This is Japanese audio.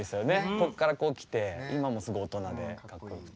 ここからこう来て今もうすごい大人でかっこよくて。